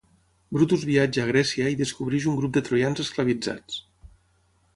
Brutus viatja a Grècia i descobreix un grup de troians esclavitzats.